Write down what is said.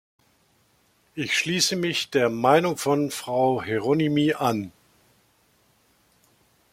Ich schließe mich der Meinung von Frau Hieronymi an.